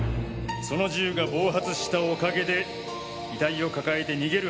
その銃が暴発したおかげで遺体を抱えて逃げる